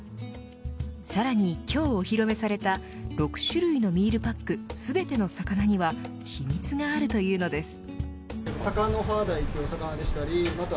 さらに今日お披露目された６種類のミールパック全ての魚には秘密があるというのです。